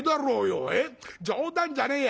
冗談じゃねえや。